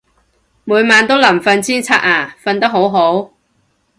每晚都臨瞓先刷牙，瞓得好好